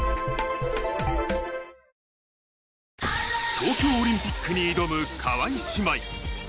東京オリンピックに挑む川合姉妹。